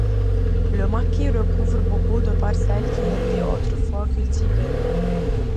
Le maquis recouvre beaucoup de parcelles qui étaient autrefois cultivées.